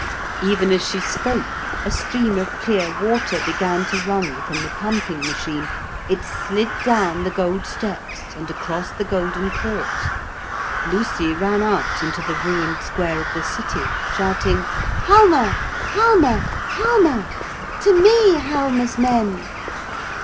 Even as she spoke a stream of clear water began to run from the pumping machine. It slid down the gold steps and across the golden court. Lucy ran out into the ruined square of the city shouting: 'Halma! Halma! Halma! To me, Halma's men!'